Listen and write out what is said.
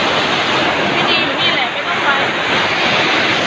พี่ดีนพี่ได้อะไรไว้บนภาค